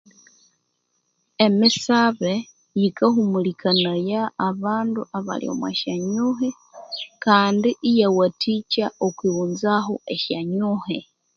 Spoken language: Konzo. Emisabe yikahumulhikania abandu abalhi omwasyanyuhi kandi iyewathikya erighunzaho esyanyuhi